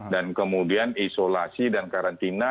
dan kemudian isolasi dan karantina